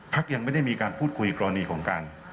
ยังไม่ได้มีการพูดคุยกรณีของการ